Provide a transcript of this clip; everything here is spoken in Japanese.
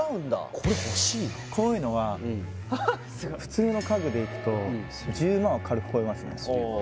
これ欲しいなこういうのが普通の家具でいくと１０万は軽く超えますねああ